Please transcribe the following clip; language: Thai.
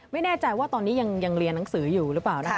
ไม่แน่ใจว่าตอนนี้ยังเรียนหนังสืออยู่หรือเปล่านะคะ